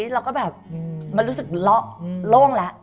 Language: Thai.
เราก็แบบมันรู้สึกเลาะโล่งแล้ว